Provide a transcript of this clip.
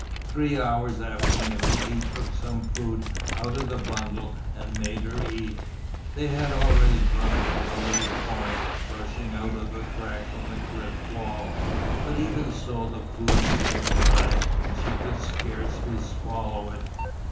Three hours after noon he took some food out of the bundle and made her eat. They had already drunk from a little torrent rushing out of a crack in the cliff wall, but even so the food seemed dry and she could scarcely swallow it.